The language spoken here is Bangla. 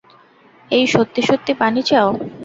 এই, সত্যি সত্যি পানি চাও?